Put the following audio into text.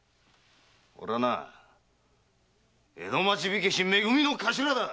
俺はな江戸町火消しめ組の頭だ！